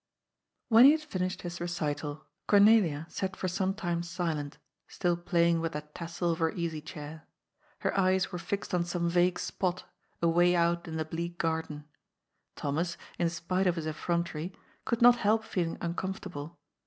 When he had finished his recital, Cornelia sat for some time silent, still playing with that tassel of her easy chair. Her eyes were fixed on some vague spot, away out in the bleak garden. Thomas, in spite of his effrontery, could not help feeling uncomfortable.